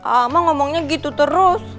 amah ngomongnya gitu terus